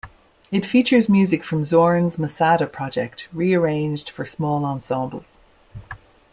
It features music from Zorn's "Masada" project, rearranged for small ensembles.